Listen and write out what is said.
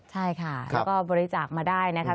ใช่ค่ะแล้วก็บริจาคมาได้นะคะ